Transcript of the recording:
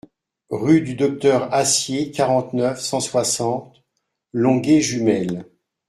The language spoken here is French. Rue du Docteur Assier, quarante-neuf, cent soixante Longué-Jumelles